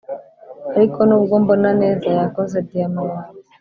ariko nubwo mbona neza yakoze diyama yanjye!